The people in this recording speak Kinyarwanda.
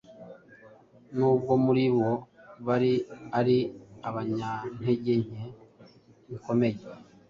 nubwo muri bo bari ari abanyantege nke bikomeye,